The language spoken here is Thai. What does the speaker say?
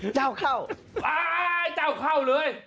ข้าวเข้าอ้าวข้าวเข้าเลย